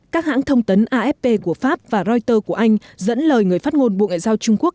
các hãng thông tấn afp của pháp và reuters của anh dẫn lời người phát ngôn bộ ngoại giao trung quốc